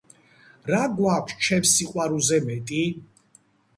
რა გაქვს ჩემს სიყვარულზე მეტი?